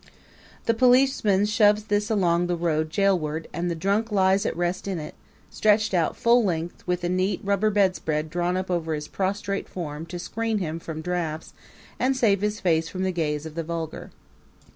The policeman shoves this along the road jailward and the drunk lies at rest in it, stretched out full length, with a neat rubber bedspread drawn up over his prostrate form to screen him from drafts and save his face from the gaze of the vulgar.